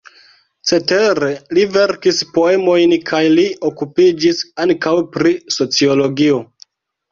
Cetere li verkis poemojn kaj li okupiĝis ankaŭ pri sociologio.